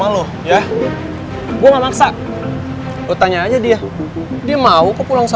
tuh tarik tarik lagi